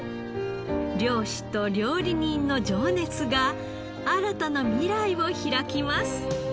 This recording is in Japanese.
漁師と料理人の情熱が新たな未来を開きます。